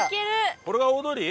これが大通り？